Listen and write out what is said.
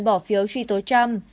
bỏ phiếu truy tố trump